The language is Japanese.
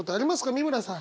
美村さん。